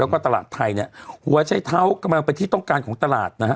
แล้วก็ตลาดไทยเนี่ยหัวใช้เท้ากำลังเป็นที่ต้องการของตลาดนะฮะ